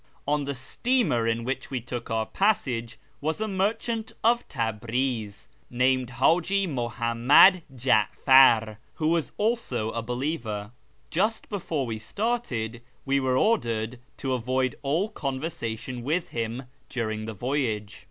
On the steamer in which we took our passage was a merchant of Tabriz, named Haji Muhammad Ja'far, who was also a believer. Just before we started we were ordered to avoid all conversation with him during the voyage.